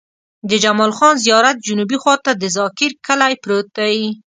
د جمال خان زيارت جنوبي خوا ته د ذاکر کلی پروت دی.